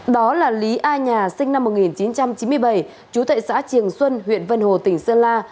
đó là lý a nhà sinh năm một nghìn chín trăm chín mươi bảy chú tại xã triềng xuân huyện vân hồ tỉnh sơn la